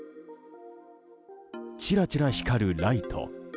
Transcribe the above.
チラチラ光るライト。